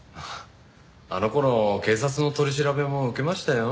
あの頃警察の取り調べも受けましたよ。